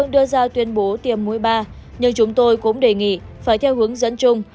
đưa ra tuyên bố tiêm mũi ba nhưng chúng tôi cũng đề nghị phải theo hướng dẫn chung